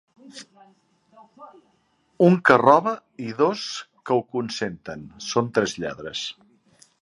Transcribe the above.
Un que roba i dos que ho consenten són tres lladres